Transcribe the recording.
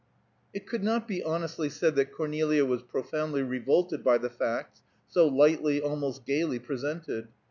It could not be honestly said that Cornelia was profoundly revolted by the facts so lightly, almost gaily, presented.